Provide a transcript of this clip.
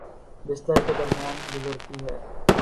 بستر کے درمیان گزرتی ہے